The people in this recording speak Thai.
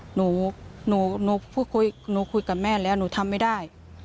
หนูหนูพูดคุยหนูคุยกับแม่แล้วหนูทำไม่ได้